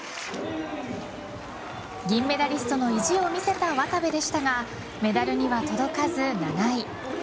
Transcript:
銀メダリストの意地を見せた渡部でしたがメダルには届かず、７位。